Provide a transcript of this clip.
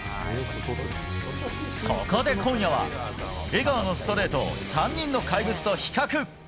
そこで今夜は江川のストレートを３人の怪物と比較。